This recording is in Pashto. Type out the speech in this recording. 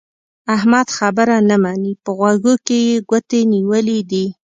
احمد خبره نه مني؛ په غوږو کې يې ګوتې نيولې دي.